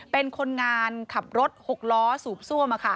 เป็นคนงานขับรถหกล้อสูบซ่วม